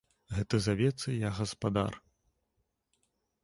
Гэта завецца, я гаспадар.